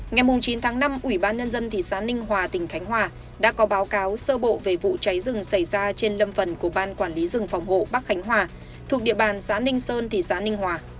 ngày chín tháng năm ủy ban nhân dân thị xã ninh hòa tỉnh khánh hòa đã có báo cáo sơ bộ về vụ cháy rừng xảy ra trên lâm phần của ban quản lý rừng phòng hộ bắc khánh hòa thuộc địa bàn xã ninh sơn thị xã ninh hòa